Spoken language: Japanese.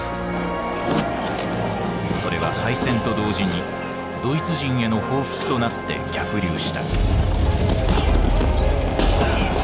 それは敗戦と同時にドイツ人への報復となって逆流した。